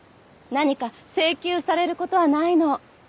何か請求されることはないの。